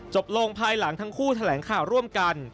จบลงร่างทั้งคู่แถลงค่าร่วมกัน